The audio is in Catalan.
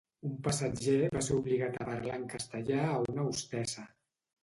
Un passatger va ser obligat a parlar en castellà a una hostessa